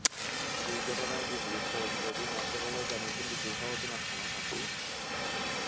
দুটি ঘটনাই বিসিবির তদন্তাধীন আছে বলে জানিয়েছেন বিসিবি সভাপতি নাজমুল হাসান।